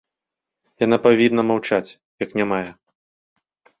Яна павінна маўчаць, як нямая.